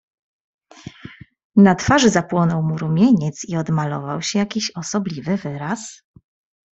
"Na twarzy zapłonął mu rumieniec i odmalował się jakiś osobliwy wyraz."